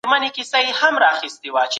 څه ډول د صدمې اغېزې په تدریجي توګه کمې کړو؟